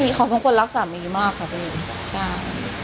ไม่มีเขาควรรักสามีมากครับเองใช่